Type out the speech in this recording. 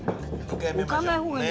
置かない方がいい。